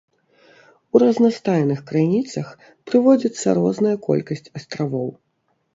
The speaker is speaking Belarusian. У разнастайных крыніцах прыводзіцца розная колькасць астравоў.